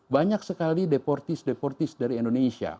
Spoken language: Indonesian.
banyak sekali deportis deportis dari indonesia